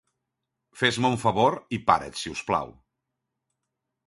Fes-me un favor i parat, si us plau.